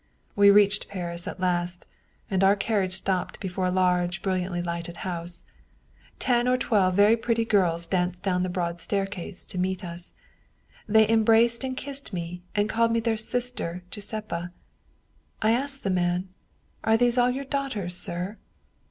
We reached Paris at last, and our carriage stopped before a large brilliantly lighted house. Ten or twelve very pretty girls danced down the broad staircase to meet us. They em braced and kissed me, and called me their sister Giuseppa. I asked the man, ' Are these all your daughters, sir